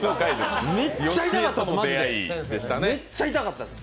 めっちゃ痛かったです！